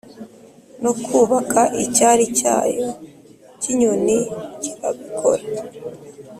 No kubaka icyari cyayo, ikinyoni kirabikora